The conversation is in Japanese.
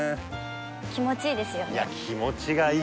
気持ちいいですよね